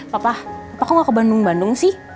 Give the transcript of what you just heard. papa papa kok gak ke bandung bandung sih